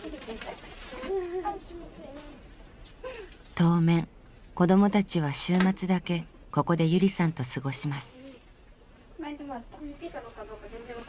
当面子どもたちは週末だけここでゆりさんと過ごします。